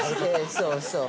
◆そうそう。